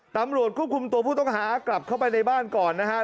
ตำรวจควบคุมตัวผู้ต้องหากลับเข้าไปในบ้านก่อนนะครับ